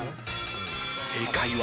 正解は？